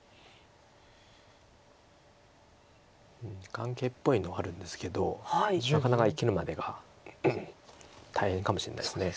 眼形っぽいのはあるんですけどなかなか生きるまでが大変かもしれないです。